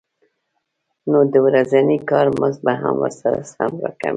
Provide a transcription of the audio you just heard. نو د ورځني کار مزد به هم ورسره سم راکم شي